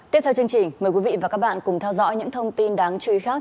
tiếp theo chương trình mời quý vị và các bạn cùng theo dõi những thông tin đáng chú ý khác